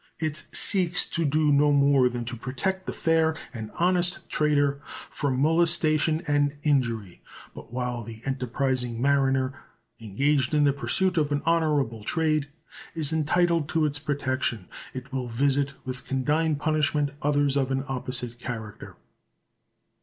It seeks to do no more than to protect the fair and honest trader from molestation and injury; but while the enterprising mariner engaged in the pursuit of an honorable trade is entitled to its protection, it will visit with condign punishment others of an opposite character.